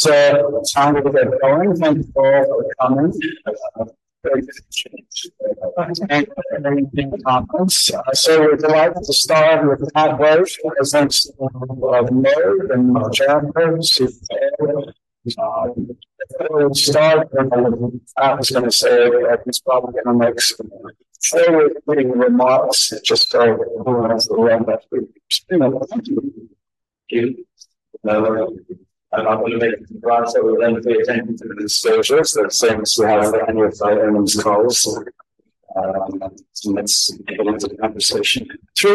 Time to get going. Thank you all for coming. Thank you for having the conference. We're delighted to start with Pat Roche, who presents Moog and Aaron Astrachan. We'll start with what Pat was going to say, but he's probably going to make some forward-looking remarks just so everyone has a round of applause. Thank you. I'm not going to make a surprise, so we'll then pay attention to the disclosures. The same as we have for any of the earnings calls. So let's get into the conversation. So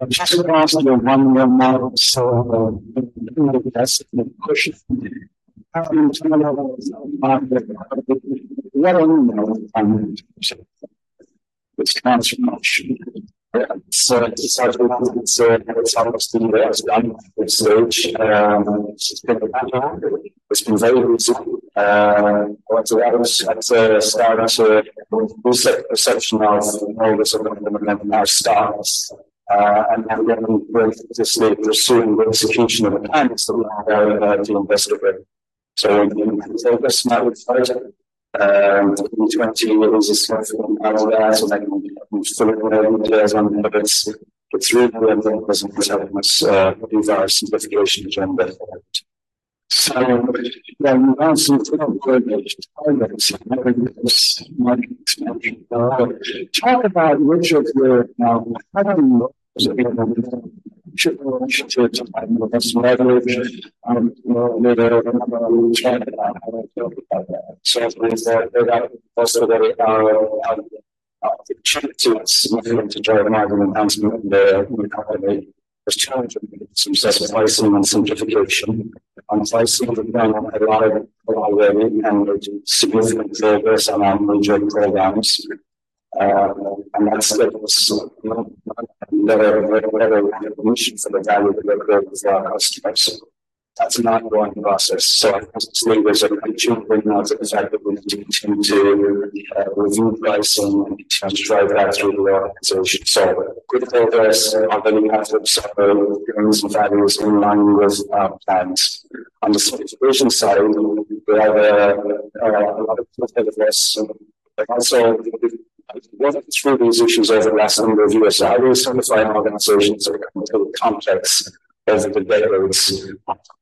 I'm just going to ask you one more, Mark, so I'm going to push it. How do you tell what in the world is transformation? Yeah. So it's hard to say how it's almost been done this stage. It's been very easy. What's allowed us at the start to reset the perception of how this is going to implement in our startups, and then going to pursue the execution of the plan that we have already invested with. So if you take us, might we start? 80/20 is a software out there, so they can fill in more details on how it's readable and then help us do our simplification agenda for that. So then we've got some clear language. Talk about which of your current initiatives are more customer-led, which more of what we talk about, how we talk about that. So they've also got opportunities to drive margin enhancement in their company. There's challenges with successful pricing and simplification. On pricing, we've done a lot already, and we've made significant progress on our major programs. And that's given us a better recognition for the value that we're creating for our customers. That's an ongoing process. So I think this leads to the fact that we need to continue to review pricing and continue to drive that through the organization. So good progress on many parts of the earnings and variances in line with our plans. On the simplification side, we have a lot of work ahead of us. But also, working through these issues over the last number of years, I always find organizations are going to be complex over the decades.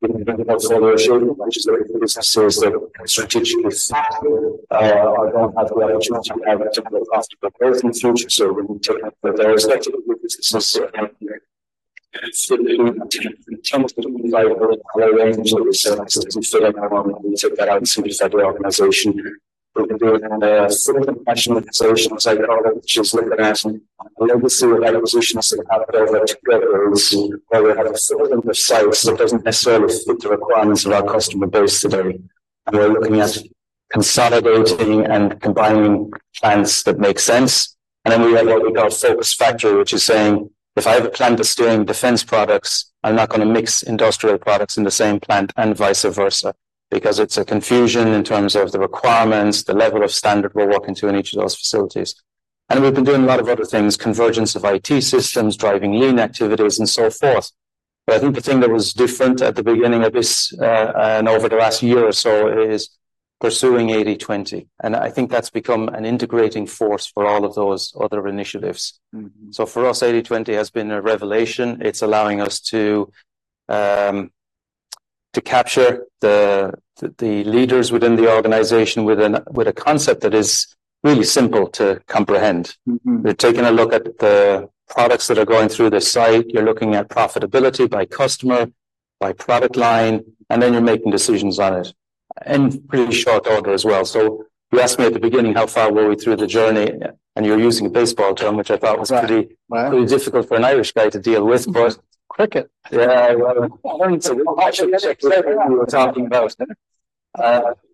In the portfolio shaping, which is where businesses that are strategically flat don't have the opportunity to have a profitable growth in the future. So we need to take a look at their respective businesses and see if we can attempt to provide a range that we say is fitting or we take that out and simplify the organization. We've been doing a site rationalization, as I call it, which is looking at a legacy of acquisitions that have gone over two decades, where we have a filtering of sites that doesn't necessarily fit the requirements of our customer base today. And we're looking at consolidating and combining plants that make sense. And then we have what we call a focus factory, which is saying, if I have a plant that's doing defense products, I'm not going to mix industrial products in the same plant and vice versa, because it's a confusion in terms of the requirements, the level of standard we're walking to in each of those facilities. And we've been doing a lot of other things: convergence of IT systems, driving lean activities, and so forth. But I think the thing that was different at the beginning of this and over the last year or so is pursuing 80/20. And I think that's become an integrating force for all of those other initiatives. So for us, 80/20 has been a revelation. It's allowing us to capture the leaders within the organization with a concept that is really simple to comprehend. You're taking a look at the products that are going through the site. You're looking at profitability by customer, by product line, and then you're making decisions on it in pretty short order as well. So you asked me at the beginning, how far were we through the journey? And you're using a baseball term, which I thought was pretty difficult for an Irish guy to deal with, but. Cricket. Yeah, I learned so much. I actually checked what you were talking about.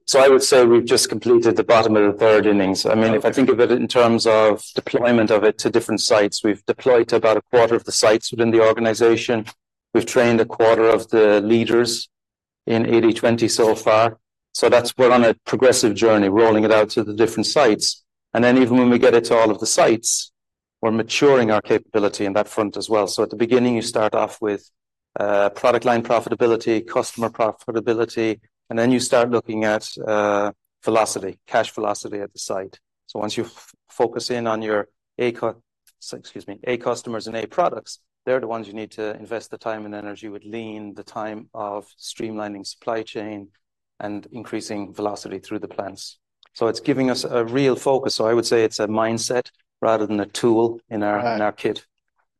So I would say we've just completed the bottom of the third innings. I mean, if I think of it in terms of deployment of it to different sites, we've deployed to about a quarter of the sites within the organization. We've trained a quarter of the leaders in 80/20 so far. So we're on a progressive journey, rolling it out to the different sites. And then even when we get it to all of the sites, we're maturing our capability in that front as well. So at the beginning, you start off with product line profitability, customer profitability, and then you start looking at velocity, cash velocity at the site. So once you focus in on your A customers and A products, they're the ones you need to invest the time and energy with, lean the time of streamlining supply chain and increasing velocity through the plants. It's giving us a real focus. I would say it's a mindset rather than a tool in our kit.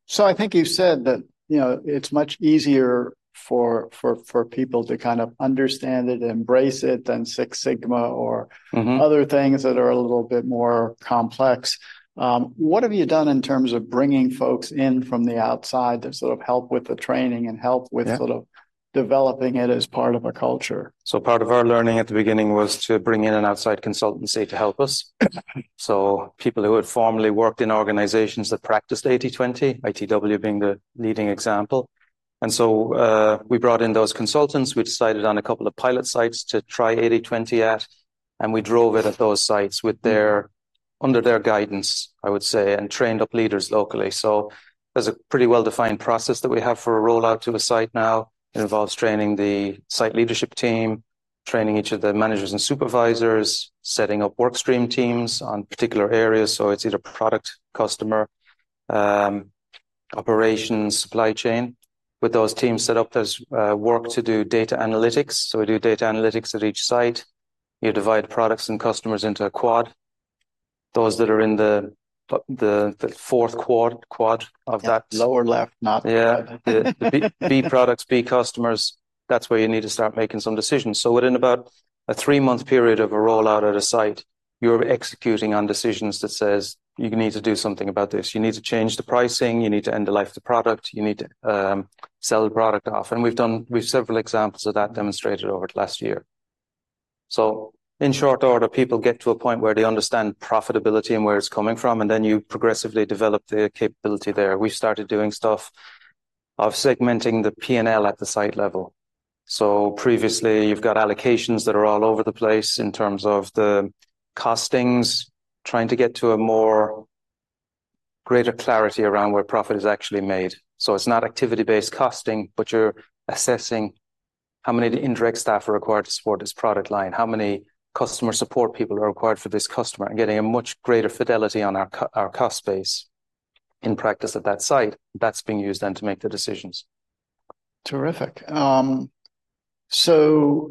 So I think you said that it's much easier for people to kind of understand it and embrace it than Six Sigma or other things that are a little bit more complex. What have you done in terms of bringing folks in from the outside to sort of help with the training and help with sort of developing it as part of a culture? So part of our learning at the beginning was to bring in an outside consultancy to help us. So people who had formerly worked in organizations that practiced 80/20, ITW being the leading example. And so we brought in those consultants. We decided on a couple of pilot sites to try 80/20 at. And we drove it at those sites under their guidance, I would say, and trained up leaders locally. So there's a pretty well-defined process that we have for a rollout to a site now. It involves training the site leadership team, training each of the managers and supervisors, setting up workstream teams on particular areas. So it's either product, customer, operations, supply chain. With those teams set up, there's work to do data analytics. So we do data analytics at each site. You divide products and customers into a quad. Those that are in the fourth quad of that. Lower left, not the. Yeah. B products, B customers. That's where you need to start making some decisions. So within about a three-month period of a rollout at a site, you're executing on decisions that says, "You need to do something about this. You need to change the pricing. You need to end the life of the product. You need to sell the product off." And we've done several examples of that demonstrated over the last year. So in short order, people get to a point where they understand profitability and where it's coming from, and then you progressively develop the capability there. We've started doing stuff of segmenting the P&L at the site level. So previously, you've got allocations that are all over the place in terms of the costings, trying to get to a greater clarity around where profit is actually made. It's not activity-based costing, but you're assessing how many indirect staff are required to support this product line, how many customer support people are required for this customer, and getting a much greater fidelity on our cost base in practice at that site. That's being used then to make the decisions. Terrific. So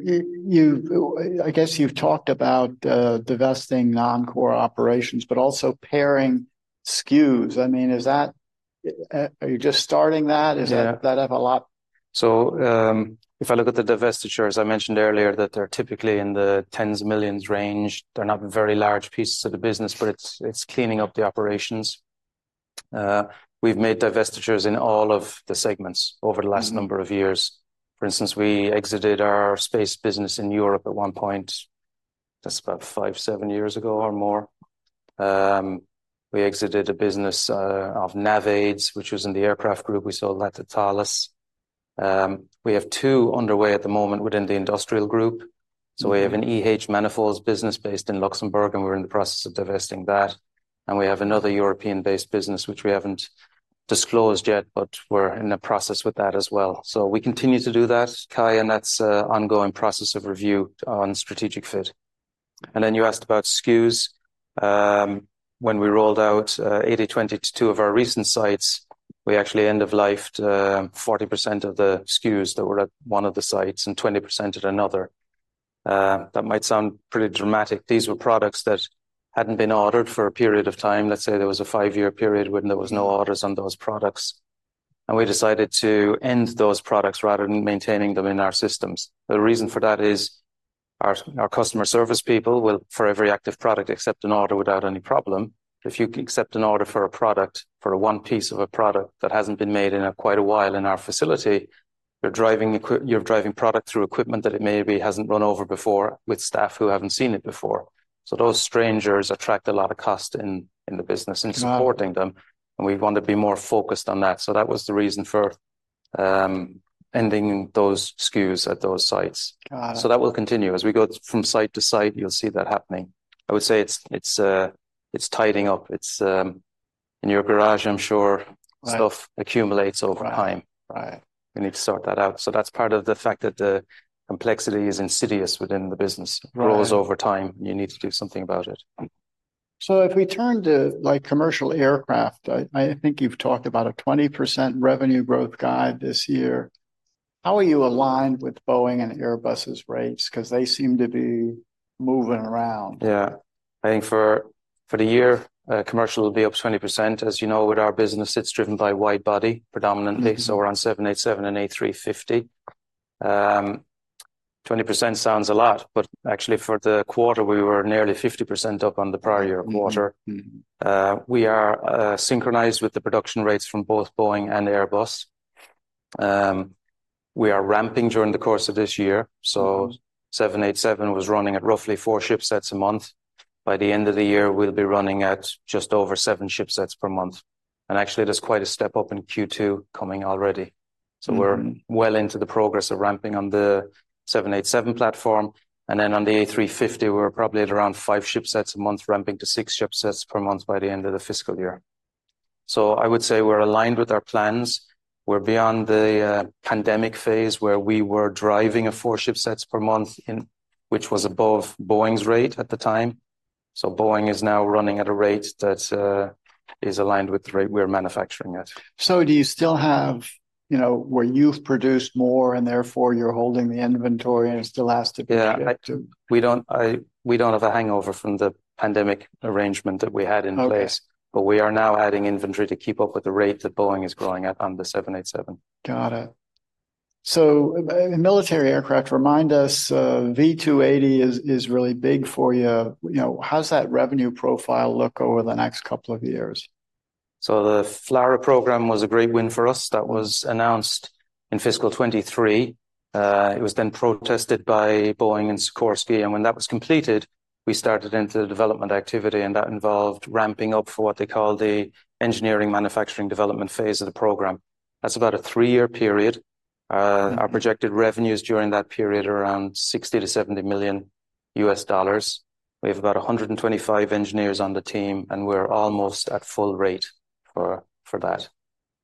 I guess you've talked about divesting non-core operations, but also pairing SKUs. I mean, are you just starting that? Does that have a lot? So if I look at the divestitures, I mentioned earlier that they're typically in the $10s of millions range. They're not very large pieces of the business, but it's cleaning up the operations. We've made divestitures in all of the segments over the last number of years. For instance, we exited our space business in Europe at one point. That's about 5-7 years ago or more. We exited a business of NAVAIDS, which was in the aircraft group. We sold that to Thales. We have 2 underway at the moment within the industrial group. So we have a manifolds business based in Luxembourg, and we're in the process of divesting that. And we have another European-based business, which we haven't disclosed yet, but we're in the process with that as well. So we continue to do that, Kai, and that's an ongoing process of review on strategic fit. Then you asked about SKUs. When we rolled out 80/20 to two of our recent sites, we actually end-of-lifed 40% of the SKUs that were at one of the sites and 20% at another. That might sound pretty dramatic. These were products that hadn't been ordered for a period of time. Let's say there was a five-year period when there were no orders on those products. We decided to end those products rather than maintaining them in our systems. The reason for that is our customer service people will, for every active product, accept an order without any problem. But if you accept an order for a product, for one piece of a product that hasn't been made in quite a while in our facility, you're driving product through equipment that maybe hasn't run over before with staff who haven't seen it before. So those stragglers attract a lot of cost in the business in supporting them. And we want to be more focused on that. So that was the reason for ending those SKUs at those sites. So that will continue. As we go from site to site, you'll see that happening. I would say it's tidying up. In your garage, I'm sure, stuff accumulates over time. We need to sort that out. So that's part of the fact that the complexity is insidious within the business. It grows over time, and you need to do something about it. If we turn to commercial aircraft, I think you've talked about a 20% revenue growth guide this year. How are you aligned with Boeing and Airbus's rates? Because they seem to be moving around. Yeah. I think for the year, commercial will be up 20%. As you know, with our business, it's driven by wide-body predominantly. So we're on 787 and A350. 20% sounds a lot, but actually, for the quarter, we were nearly 50% up on the prior year quarter. We are synchronized with the production rates from both Boeing and Airbus. We are ramping during the course of this year. So 787 was running at roughly 4 ship sets a month. By the end of the year, we'll be running at just over 7 ship sets per month. And actually, there's quite a step up in Q2 coming already. So we're well into the progress of ramping on the 787 platform. And then on the A350, we're probably at around 5 ship sets a month, ramping to 6 ship sets per month by the end of the fiscal year. So I would say we're aligned with our plans. We're beyond the pandemic phase where we were driving a four ship sets per month, which was above Boeing's rate at the time. So Boeing is now running at a rate that is aligned with the rate we're manufacturing at. Do you still have where you've produced more and therefore you're holding the inventory and it still has to be? Yeah. We don't have a hangover from the pandemic arrangement that we had in place. But we are now adding inventory to keep up with the rate that Boeing is growing at on the 787. Got it. So military aircraft, remind us, V-280 is really big for you. How's that revenue profile look over the next couple of years? So the FLRAA program was a great win for us that was announced in fiscal 2023. It was then protested by Boeing and Sikorsky. And when that was completed, we started into the development activity. And that involved ramping up for what they call the engineering manufacturing development phase of the program. That's about a 3-year period. Our projected revenues during that period are around $60 million-$70 million. We have about 125 engineers on the team, and we're almost at full rate for that.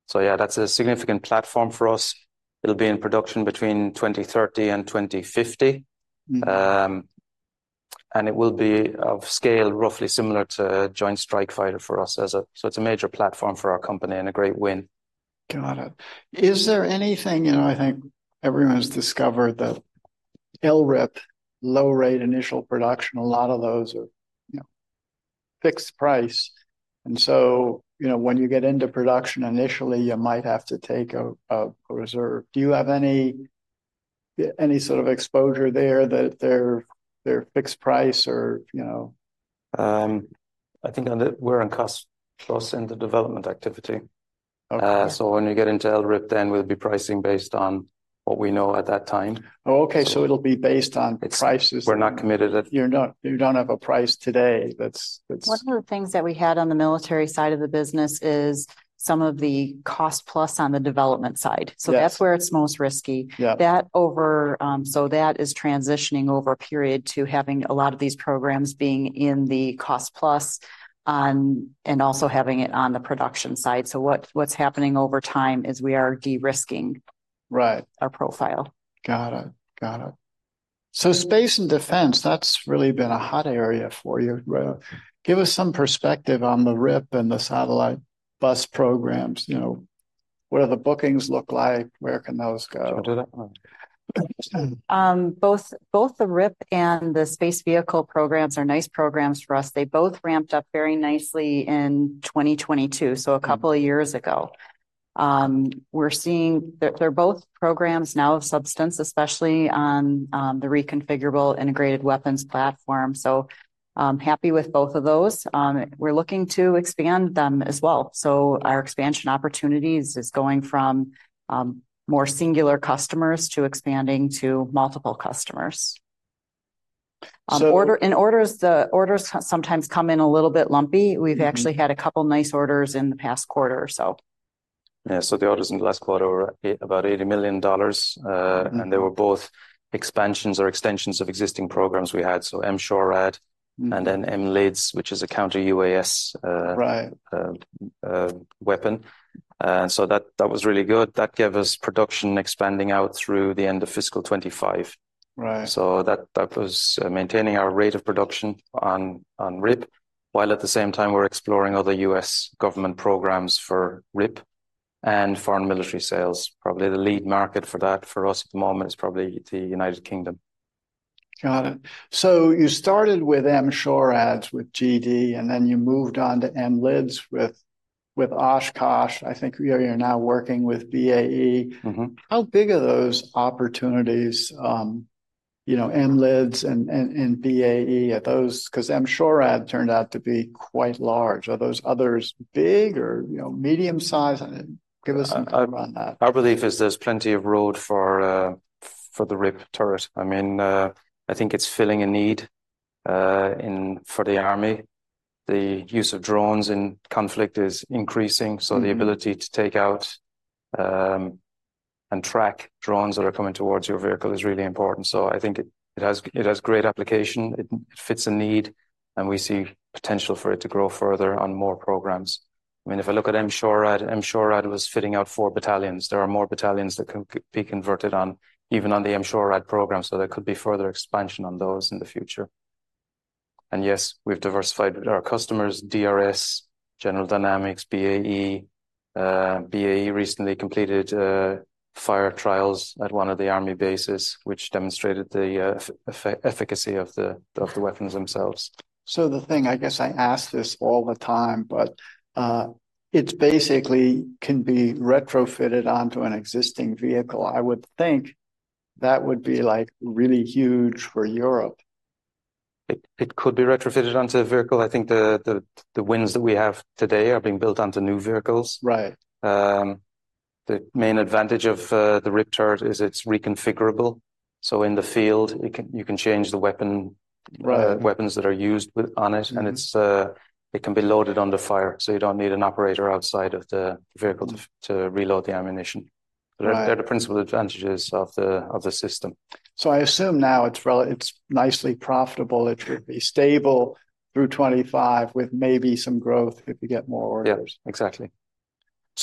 So yeah, that's a significant platform for us. It'll be in production between 2030 and 2050. And it will be of scale roughly similar to Joint Strike Fighter for us. So it's a major platform for our company and a great win. Got it. Is there anything? I think everyone's discovered that LRIP, low-rate initial production, a lot of those are fixed-price. And so when you get into production initially, you might have to take a reserve. Do you have any sort of exposure there that they're fixed-price or? I think we're on cost-plus in the development activity. So when you get into LRIP, then we'll be pricing based on what we know at that time. Oh, okay. So it'll be based on prices. We're not committed at. You don't have a price today. That's. One of the things that we had on the military side of the business is some of the cost-plus on the development side. So that's where it's most risky. So that is transitioning over a period to having a lot of these programs being in the cost-plus and also having it on the production side. So what's happening over time is we are de-risking our profile. Got it. Got it. So space and defense, that's really been a hot area for you. Give us some perspective on the RIwP and the satellite bus programs. What do the bookings look like? Where can those go? Both the RIwP and the space vehicle programs are nice programs for us. They both ramped up very nicely in 2022, so a couple of years ago. They're both programs now of substance, especially on the Reconfigurable Integrated-weapons Platform. So happy with both of those. We're looking to expand them as well. So our expansion opportunities is going from more singular customers to expanding to multiple customers. And orders sometimes come in a little bit lumpy. We've actually had a couple of nice orders in the past quarter, so. Yeah. So the orders in the last quarter were about $80 million. And they were both expansions or extensions of existing programs we had. So M-SHORAD and then M-LIDS, which is a counter-UAS weapon. And so that was really good. That gave us production expanding out through the end of fiscal 2025. So that was maintaining our rate of production on RIwP, while at the same time, we're exploring other U.S. government programs for RIwP and foreign military sales. Probably the lead market for that for us at the moment is probably the United Kingdom. Got it. So you started with M-SHORAD with GD, and then you moved on to M-LIDS with Oshkosh. I think you're now working with BAE. How big are those opportunities, M-LIDS and BAE, because M-SHORAD turned out to be quite large? Are those others big or medium-sized? Give us an idea on that. Our belief is there's plenty of road for the RIP turret. I mean, I think it's filling a need for the Army. The use of drones in conflict is increasing. So the ability to take out and track drones that are coming towards your vehicle is really important. So I think it has great application. It fits a need. And we see potential for it to grow further on more programs. I mean, if I look at MSHORAD, MSHORAD was fitting out four battalions. There are more battalions that can be converted on, even on the MSHORAD program. So there could be further expansion on those in the future. And yes, we've diversified our customers: DRS, General Dynamics, BAE. BAE recently completed fire trials at one of the Army bases, which demonstrated the efficacy of the weapons themselves. The thing, I guess I ask this all the time, but it basically can be retrofitted onto an existing vehicle. I would think that would be really huge for Europe. It could be retrofitted onto a vehicle. I think the ones that we have today are being built onto new vehicles. The main advantage of the RIP turret is it's reconfigurable. In the field, you can change the weapons that are used on it. It can be loaded under fire. You don't need an operator outside of the vehicle to reload the ammunition. They're the principal advantages of the system. So I assume now it's nicely profitable. It should be stable through 2025 with maybe some growth if you get more orders. Yeah. Exactly.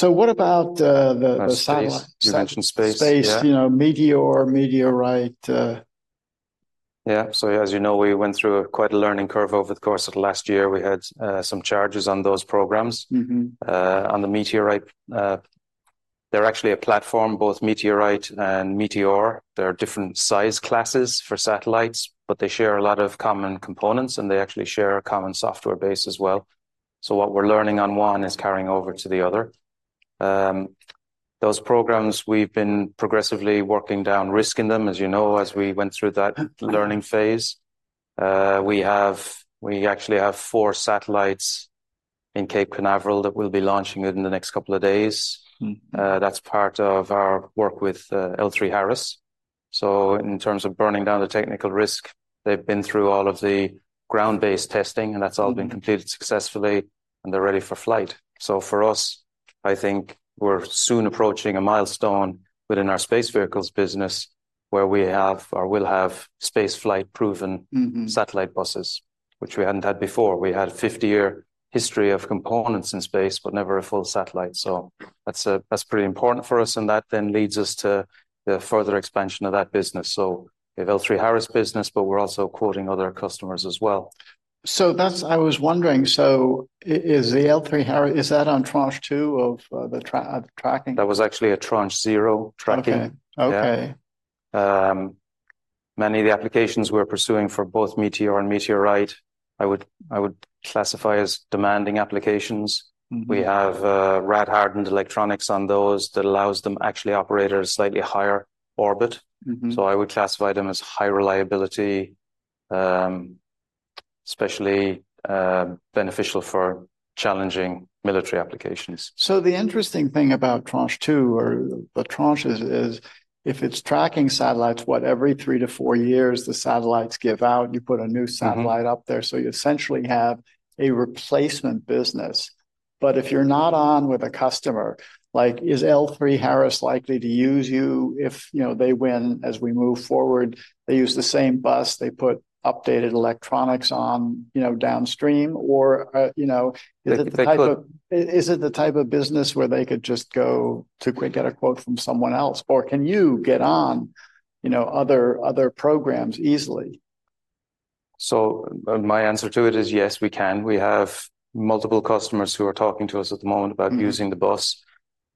What about the satellite? You mentioned space. Space, Meteor, Metro. Yeah. So as you know, we went through quite a learning curve over the course of the last year. We had some charges on those programs. On the Metro, they're actually a platform, both Metro and Meteor. They're different size classes for satellites, but they share a lot of common components. And they actually share a common software base as well. So what we're learning on one is carrying over to the other. Those programs, we've been progressively working down, risking them, as you know, as we went through that learning phase. We actually have four satellites in Cape Canaveral that we'll be launching within the next couple of days. That's part of our work with L3Harris. So in terms of burning down the technical risk, they've been through all of the ground-based testing. And that's all been completed successfully. And they're ready for flight. For us, I think we're soon approaching a milestone within our space vehicles business where we will have space flight-proven satellite buses, which we hadn't had before. We had a 50-year history of components in space, but never a full satellite. That's pretty important for us. That then leads us to the further expansion of that business. We have L3Harris business, but we're also quoting other customers as well. So I was wondering, so is the L3Harris, is that on Tranche 2 of the tracking? That was actually a Tranche 0 tracking. Many of the applications we're pursuing for both Meteor and Meteorite, I would classify as demanding applications. We have rad-hardened electronics on those that allows them actually operate at a slightly higher orbit. So I would classify them as high reliability, especially beneficial for challenging military applications. So the interesting thing about Tranche 2 or the tranches is if it's tracking satellites, what, every three-to-four years, the satellites give out, you put a new satellite up there. So you essentially have a replacement business. But if you're not on with a customer, is L3Harris likely to use you if they win as we move forward? They use the same bus. They put updated electronics on downstream. Or is it the type of business where they could just go to get a quote from someone else? Or can you get on other programs easily? So my answer to it is yes, we can. We have multiple customers who are talking to us at the moment about using the bus.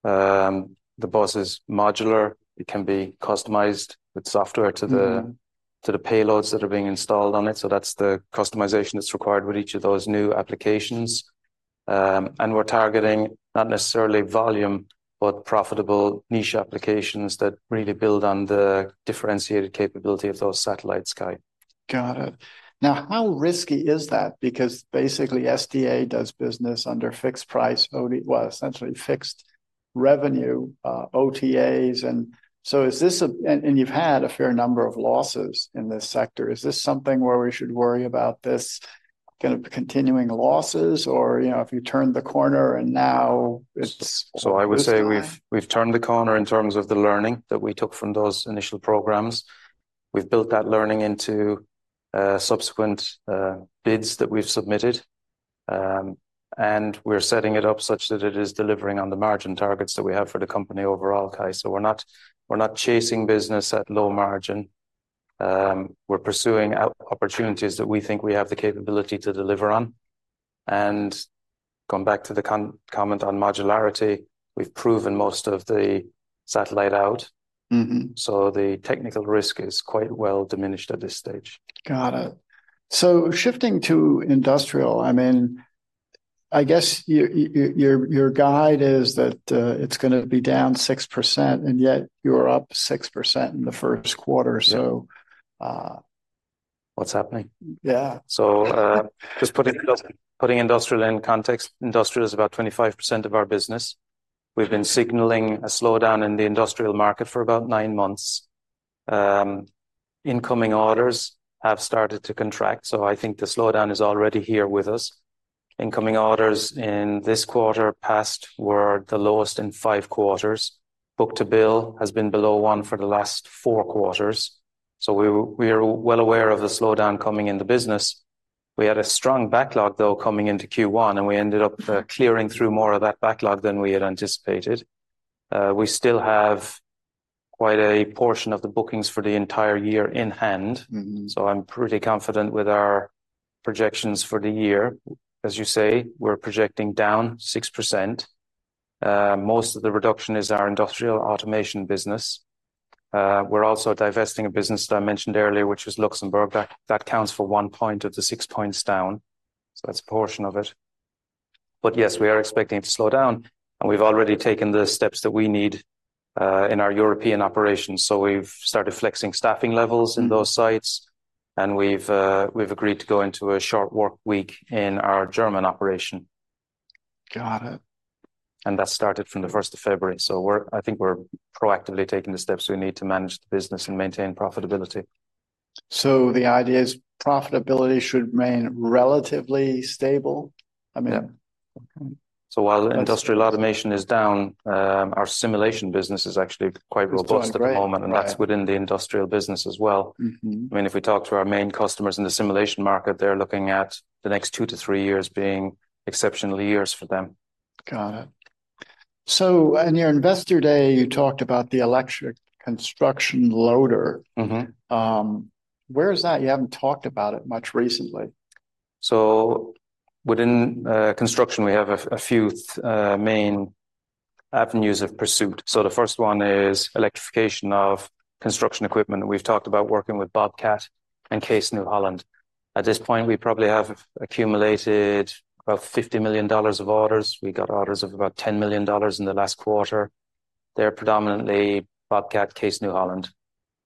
The bus is modular. It can be customized with software to the payloads that are being installed on it. So that's the customization that's required with each of those new applications. And we're targeting not necessarily volume, but profitable niche applications that really build on the differentiated capability of those satellites' guide. Got it. Now, how risky is that? Because basically, SDA does business under fixed price, essentially fixed revenue OTAs. And you've had a fair number of losses in this sector. Is this something where we should worry about this? Kind of continuing losses? Or if you turn the corner and now it's? So I would say we've turned the corner in terms of the learning that we took from those initial programs. We've built that learning into subsequent bids that we've submitted. And we're setting it up such that it is delivering on the margin targets that we have for the company overall, guys. So we're not chasing business at low margin. We're pursuing opportunities that we think we have the capability to deliver on. And going back to the comment on modularity, we've proven most of the satellite out. So the technical risk is quite well diminished at this stage. Got it. So shifting to industrial, I mean, I guess your guide is that it's going to be down 6%, and yet you're up 6% in the first quarter. So. What's happening? Yeah. So just putting industrial in context, industrial is about 25% of our business. We've been signaling a slowdown in the industrial market for about nine months. Incoming orders have started to contract. So I think the slowdown is already here with us. Incoming orders in this quarter past were the lowest in five quarters. Book-to-bill has been below one for the last four quarters. So we are well aware of the slowdown coming in the business. We had a strong backlog, though, coming into Q1. And we ended up clearing through more of that backlog than we had anticipated. We still have quite a portion of the bookings for the entire year in hand. So I'm pretty confident with our projections for the year. As you say, we're projecting down 6%. Most of the reduction is our industrial automation business. We're also divesting a business that I mentioned earlier, which was Luxembourg. That counts for 1 point of the 6 points down. That's a portion of it. But yes, we are expecting it to slow down. We've already taken the steps that we need in our European operations. We've started flexing staffing levels in those sites. We've agreed to go into a short work week in our German operation. Got it. That started from the 1st of February. I think we're proactively taking the steps we need to manage the business and maintain profitability. The idea is profitability should remain relatively stable? I mean. So while industrial automation is down, our simulation business is actually quite robust at the moment. That's within the industrial business as well. I mean, if we talk to our main customers in the simulation market, they're looking at the next 2-3 years being exceptional years for them. Got it. So on your investor day, you talked about the electric construction loader. Where is that? You haven't talked about it much recently. So within construction, we have a few main avenues of pursuit. The first one is electrification of construction equipment. We've talked about working with Bobcat and Case New Holland. At this point, we probably have accumulated about $50 million of orders. We got orders of about $10 million in the last quarter. They're predominantly Bobcat, Case New Holland.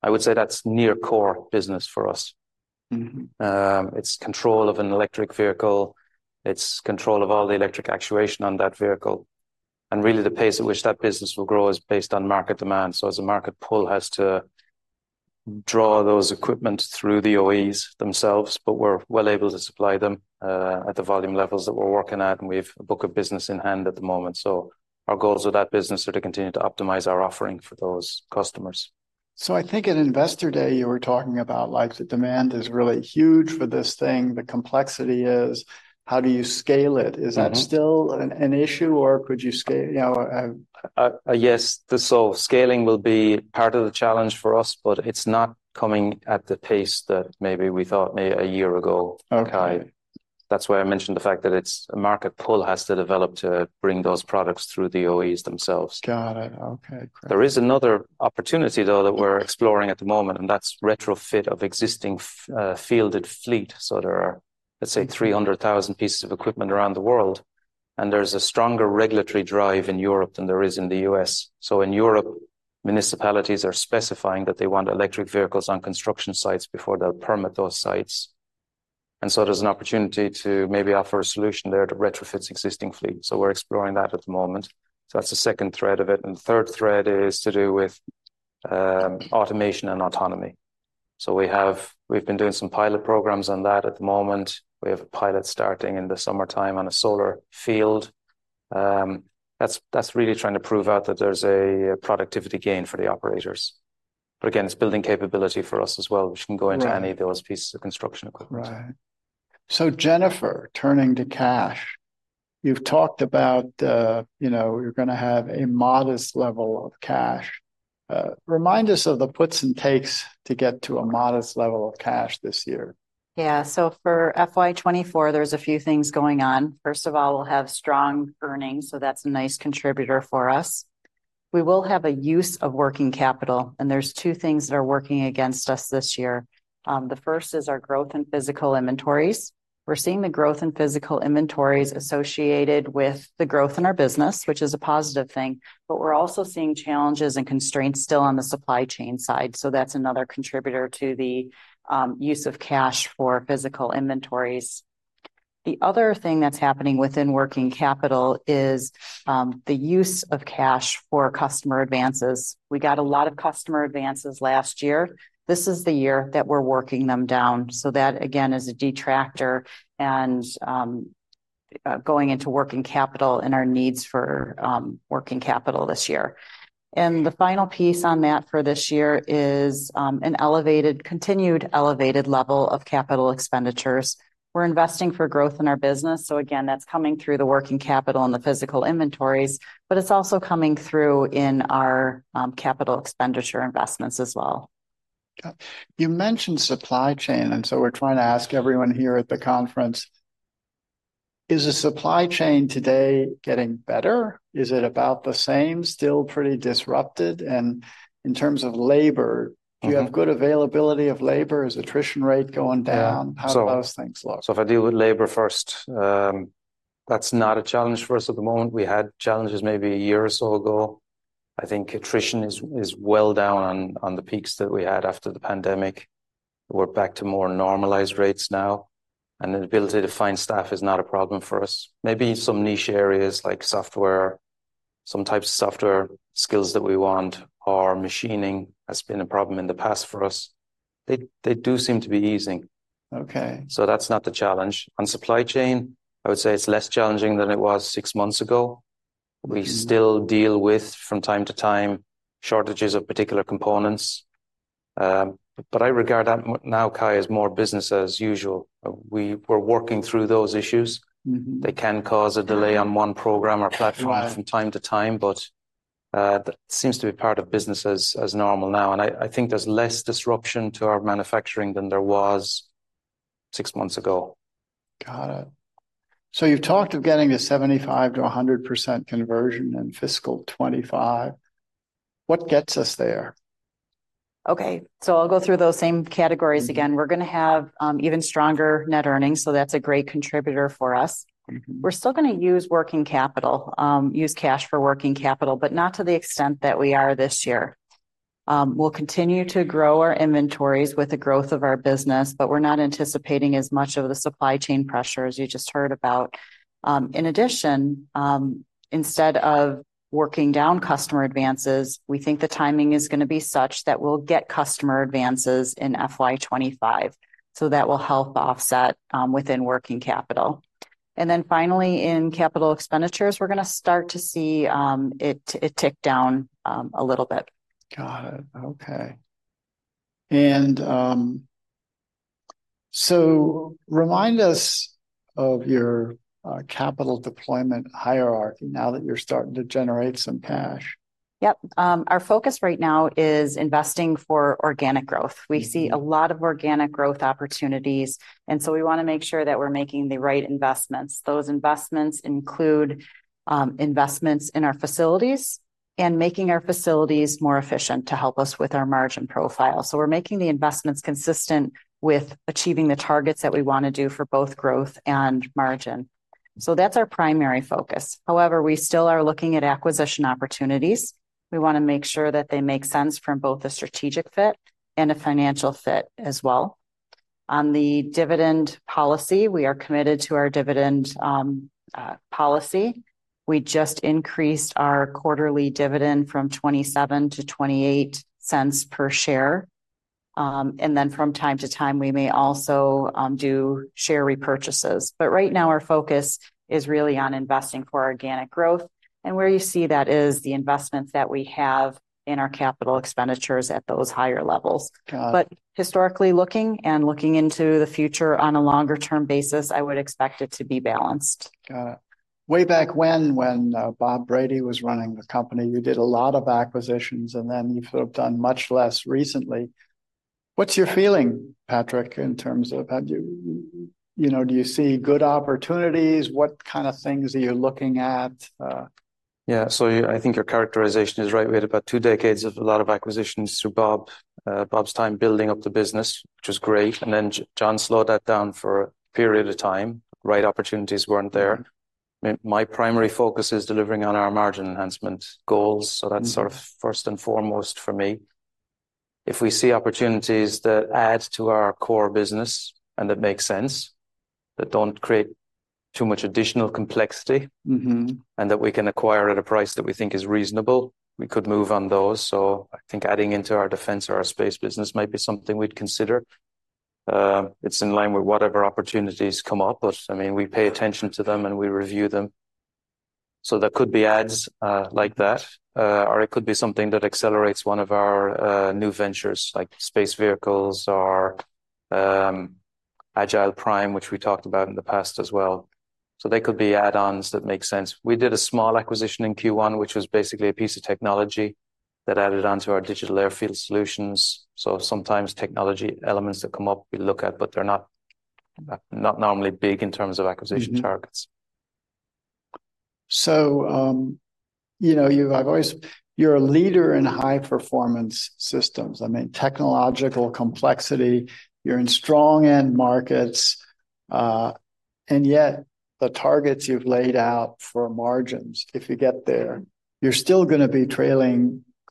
I would say that's near-core business for us. It's control of an electric vehicle. It's control of all the electric actuation on that vehicle. And really, the pace at which that business will grow is based on market demand. As a market pull, has to draw those equipment through the OEs themselves. But we're well able to supply them at the volume levels that we're working at. And we have a book of business in hand at the moment. Our goals with that business are to continue to optimize our offering for those customers. So I think at Investor Day, you were talking about the demand is really huge for this thing. The complexity is, how do you scale it? Is that still an issue? Or could you scale? Yes. So scaling will be part of the challenge for us. But it's not coming at the pace that maybe we thought maybe a year ago, Kai. That's why I mentioned the fact that it's a market pull has to develop to bring those products through the OEs themselves. Got it. Okay. There is another opportunity, though, that we're exploring at the moment. That's retrofit of existing fielded fleet. There are, let's say, 300,000 pieces of equipment around the world. There's a stronger regulatory drive in Europe than there is in the U.S. In Europe, municipalities are specifying that they want electric vehicles on construction sites before they'll permit those sites. There's an opportunity to maybe offer a solution there to retrofit existing fleet. We're exploring that at the moment. That's the second thread of it. The third thread is to do with automation and autonomy. We've been doing some pilot programs on that at the moment. We have a pilot starting in the summertime on a solar field. That's really trying to prove out that there's a productivity gain for the operators. But again, it's building capability for us as well, which can go into any of those pieces of construction equipment. Right. So Jennifer, turning to cash, you've talked about you're going to have a modest level of cash. Remind us of the puts and takes to get to a modest level of cash this year. Yeah. So for FY24, there's a few things going on. First of all, we'll have strong earnings. So that's a nice contributor for us. We will have a use of working capital. And there's two things that are working against us this year. The first is our growth in physical inventories. We're seeing the growth in physical inventories associated with the growth in our business, which is a positive thing. But we're also seeing challenges and constraints still on the supply chain side. So that's another contributor to the use of cash for physical inventories. The other thing that's happening within working capital is the use of cash for customer advances. We got a lot of customer advances last year. This is the year that we're working them down. So that, again, is a detractor going into working capital and our needs for working capital this year. The final piece on that for this year is a continued elevated level of capital expenditures. We're investing for growth in our business. Again, that's coming through the working capital and the physical inventories. It's also coming through in our capital expenditure investments as well. Got it. You mentioned supply chain. And so we're trying to ask everyone here at the conference, is the supply chain today getting better? Is it about the same, still pretty disrupted? And in terms of labor, do you have good availability of labor? Is attrition rate going down? How do those things look? So if I deal with labor first, that's not a challenge for us at the moment. We had challenges maybe a year or so ago. I think attrition is well down on the peaks that we had after the pandemic. We're back to more normalized rates now. And the ability to find staff is not a problem for us. Maybe some niche areas like software, some types of software skills that we want, or machining has been a problem in the past for us. They do seem to be easing. So that's not the challenge. On supply chain, I would say it's less challenging than it was six months ago. We still deal with, from time to time, shortages of particular components. But I regard that now, Kai, as more business as usual. We're working through those issues. They can cause a delay on one program or platform from time to time. It seems to be part of business as normal now. I think there's less disruption to our manufacturing than there was six months ago. Got it. So you've talked of getting to 75%-100% conversion and fiscal 2025. What gets us there? Okay. So I'll go through those same categories again. We're going to have even stronger net earnings. So that's a great contributor for us. We're still going to use working capital, use cash for working capital, but not to the extent that we are this year. We'll continue to grow our inventories with the growth of our business. But we're not anticipating as much of the supply chain pressure as you just heard about. In addition, instead of working down customer advances, we think the timing is going to be such that we'll get customer advances in FY25. So that will help offset within working capital. And then finally, in capital expenditures, we're going to start to see it tick down a little bit. Got it. Okay. And so remind us of your capital deployment hierarchy now that you're starting to generate some cash. Yep. Our focus right now is investing for organic growth. We see a lot of organic growth opportunities. And so we want to make sure that we're making the right investments. Those investments include investments in our facilities and making our facilities more efficient to help us with our margin profile. So we're making the investments consistent with achieving the targets that we want to do for both growth and margin. So that's our primary focus. However, we still are looking at acquisition opportunities. We want to make sure that they make sense from both a strategic fit and a financial fit as well. On the dividend policy, we are committed to our dividend policy. We just increased our quarterly dividend from $0.27-$0.28 per share. And then from time to time, we may also do share repurchases. But right now, our focus is really on investing for organic growth. And where you see that is the investments that we have in our capital expenditures at those higher levels. But historically looking and looking into the future on a longer-term basis, I would expect it to be balanced. Got it. Way back when Bob Brady was running the company, you did a lot of acquisitions. Then you've sort of done much less recently. What's your feeling, Patrick, in terms of do you see good opportunities? What kind of things are you looking at? Yeah. So I think your characterization is right. We had about two decades of a lot of acquisitions through Bob's time building up the business, which was great. And then John slowed that down for a period of time. Right opportunities weren't there. My primary focus is delivering on our margin enhancement goals. So that's sort of first and foremost for me. If we see opportunities that add to our core business and that make sense, that don't create too much additional complexity, and that we can acquire at a price that we think is reasonable, we could move on those. So I think adding into our defense or our space business might be something we'd consider. It's in line with whatever opportunities come up. But I mean, we pay attention to them. And we review them. So there could be ads like that. Or it could be something that accelerates one of our new ventures, like space vehicles or Agility Prime, which we talked about in the past as well. So they could be add-ons that make sense. We did a small acquisition in Q1, which was basically a piece of technology that added on to our Digital Airfield Solutions. So sometimes technology elements that come up, we look at. But they're not normally big in terms of acquisition targets. So you're a leader in high-performance systems. I mean, technological complexity. You're in strong-end markets. And yet, the targets you've laid out for margins, if you get there, you're still going to be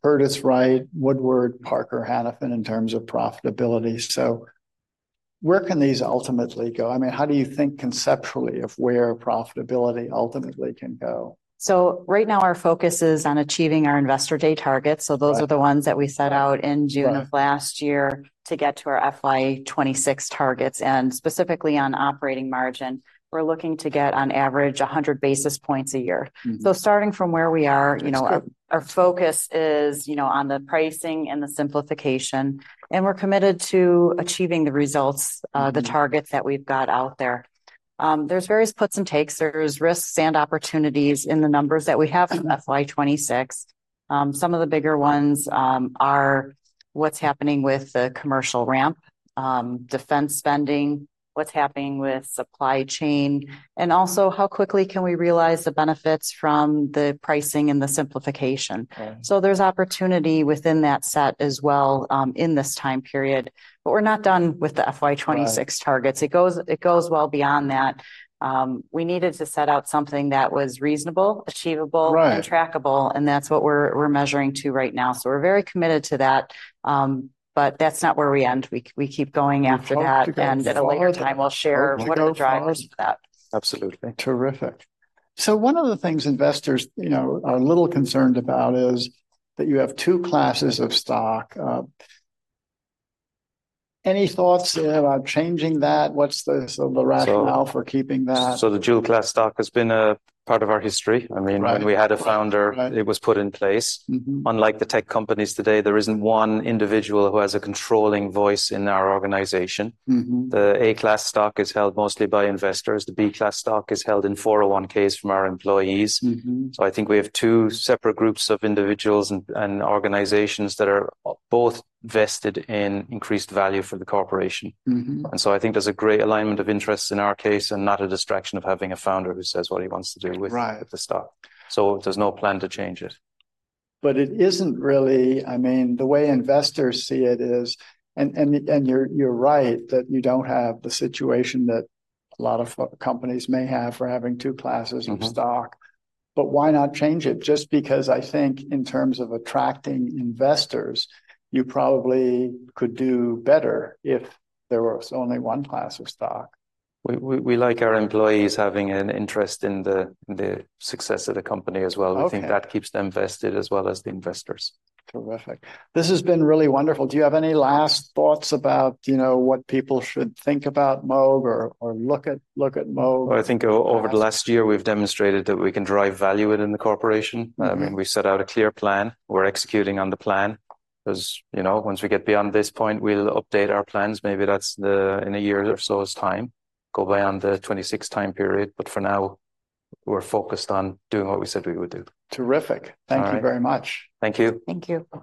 trailing Curtiss-Wright, Woodward, Parker Hannifin in terms of profitability. So where can these ultimately go? I mean, how do you think conceptually of where profitability ultimately can go? So right now, our focus is on achieving our investor day targets. So those are the ones that we set out in June of last year to get to our FY26 targets. And specifically on operating margin, we're looking to get, on average, 100 basis points a year. So starting from where we are, our focus is on the pricing and the simplification. And we're committed to achieving the results, the targets that we've got out there. There's various puts and takes. There's risks and opportunities in the numbers that we have from FY26. Some of the bigger ones are what's happening with the commercial ramp, defense spending, what's happening with supply chain, and also how quickly can we realize the benefits from the pricing and the simplification. So there's opportunity within that set as well in this time period. But we're not done with the FY26 targets. It goes well beyond that. We needed to set out something that was reasonable, achievable, and trackable. And that's what we're measuring to right now. So we're very committed to that. But that's not where we end. We keep going after that. And at a later time, we'll share what are the drivers for that. Absolutely. Terrific. So one of the things investors are a little concerned about is that you have two classes of stock. Any thoughts about changing that? What's the rationale for keeping that? So the dual-class stock has been a part of our history. I mean, when we had a founder, it was put in place. Unlike the tech companies today, there isn't one individual who has a controlling voice in our organization. The Class A stock is held mostly by investors. The Class B stock is held in 401(k)s from our employees. So I think we have two separate groups of individuals and organizations that are both vested in increased value for the corporation. And so I think there's a great alignment of interests in our case and not a distraction of having a founder who says what he wants to do with the stock. So there's no plan to change it. But it isn't really, I mean, the way investors see it is, and you're right that you don't have the situation that a lot of companies may have for having two classes of stock. But why not change it? Just because I think, in terms of attracting investors, you probably could do better if there was only one class of stock. We like our employees having an interest in the success of the company as well. We think that keeps them vested as well as the investors. Terrific. This has been really wonderful. Do you have any last thoughts about what people should think about Moog or look at Moog? I think over the last year, we've demonstrated that we can drive value within the corporation. I mean, we set out a clear plan. We're executing on the plan. Because once we get beyond this point, we'll update our plans. Maybe that's in a year or so's time, go beyond the 2026 time period. But for now, we're focused on doing what we said we would do. Terrific. Thank you very much. Thank you. Thank you.